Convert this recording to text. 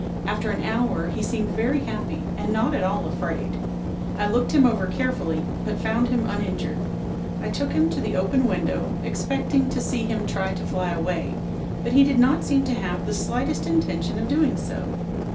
After an hour he seemed very happy and not at all afraid. I looked him over carefully, but found him uninjured. I took him to the open window expecting to see him try to fly away, but he did not seem to have the slightest intention of doing so.